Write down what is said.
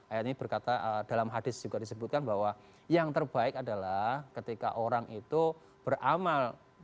ayat ini berkata dalam hadis juga disebutkan bahwa yang terbaik adalah ketika orang itu beramal